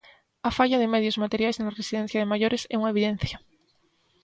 A falla de medios materiais na residencia de maiores é unha evidencia.